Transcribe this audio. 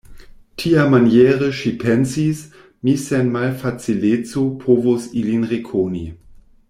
Tiamaniere, ŝi pensis, mi sen malfacileco povos ilin rekoni.